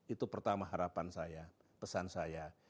itu pertama harapan saya pesan saya